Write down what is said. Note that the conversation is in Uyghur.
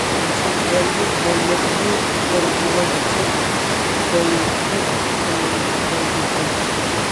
چەت ئەلنىڭ ماللىرىنى قارىغۇلارچە بايقۇت قىلمايدىكەن.